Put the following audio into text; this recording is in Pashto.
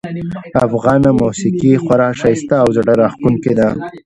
افغانه موسیقي خورا ښایسته او زړه راښکونکې ده